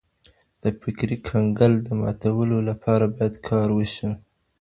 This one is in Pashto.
د فکري کنګل د ماتولو لپاره بايد کار وشي.